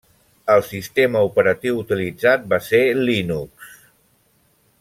El sistema operatiu utilitzat va ser Linux.